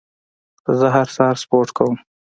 زه هر سهار سپورت کوم.